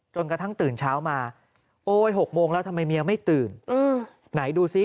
จนกระทั่งตื่นเช้ามาโอ้ย๖โมงแล้วทำไมเมียไม่ตื่นไหนดูซิ